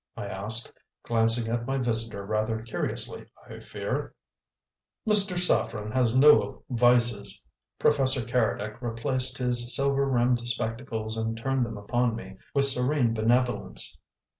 I asked, glancing at my visitor rather curiously, I fear. "Mr. Saffren has no vices." Professor Keredec replaced his silver rimmed spectacles and turned them upon me with serene benevolence.